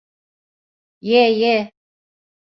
Ye, ye.